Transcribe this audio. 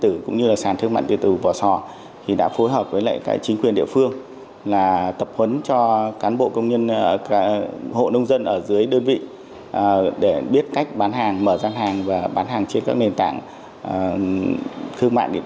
trên các sản thương mại điện tử hiện nay phong phú hàng hóa nông sản nhất là các loại đặc sản vùng miền